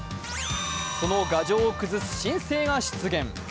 その牙城を崩す新星が出現。